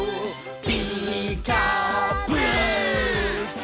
「ピーカーブ！」